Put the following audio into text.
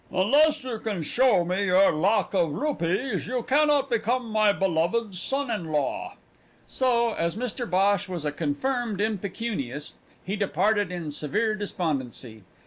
"Unless you can show me your lakh of rupees, you cannot become my beloved son in law." So, as Mr Bhosh was a confirmed impecunious, he departed in severe despondency.